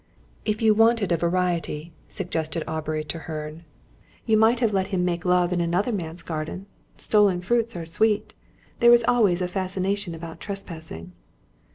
"If you wanted a variety," suggested Aubrey Treherne, "you might have let him make love in another man's garden. Stolen fruits are sweet! There is always a fascination about trespassing."